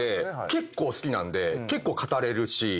結構好きなんで結構語れるし。